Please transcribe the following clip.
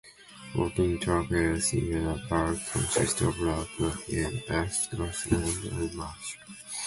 Walking tracks elsewhere in the park consist of rock, rocky earth, grassland and marsh.